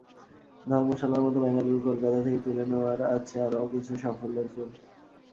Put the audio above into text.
ধর্মশালার মতো বেঙ্গালুরু-কলকাতা থেকে তুলে নেওয়ার আছে আরও কিছু সাফল্যের ফুল।